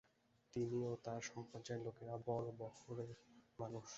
তিনি ও তাঁর সমপর্যায়ের লোকেরা বড়ো বহরের মানুষ।